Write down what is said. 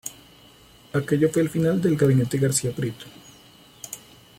Aquello fue el final del gabinete García Prieto.